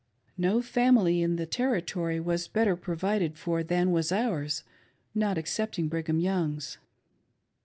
No family in the Territory was better provided for than was ours, not excepting Brigham Young's.